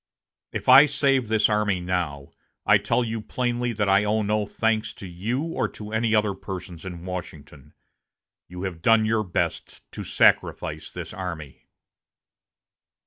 If I save this army now, I tell you plainly that I owe no thanks to you or to any other persons in Washington. You have done your best to sacrifice this army."